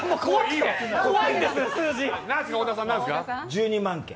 １２万件。